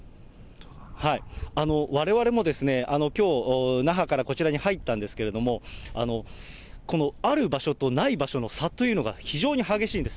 われわれもきょう、那覇からこちらに入ったんですけれども、このある場所とない場所の差というのが非常に激しいんです。